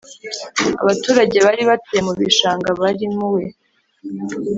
Abaturage baribatuye mubishanga barimuwe